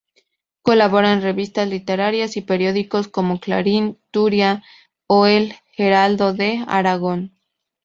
Colabora en revistas literarias y periódicos como "Clarín", "Turia" o el "Heraldo de Aragón".